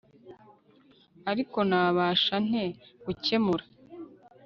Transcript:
Ariko nabasha nte gukemura